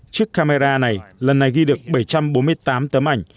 chiếc camera này lần này ghi được bảy trăm bốn mươi tám tấm ảnh